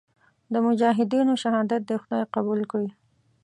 د مجاهدینو شهادت دې خدای قبول کړي.